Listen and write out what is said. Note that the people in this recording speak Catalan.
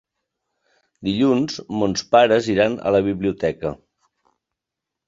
Dilluns mons pares iran a la biblioteca.